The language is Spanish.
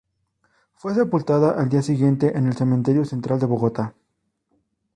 Fue sepultado al día siguiente en el Cementerio Central de Bogotá.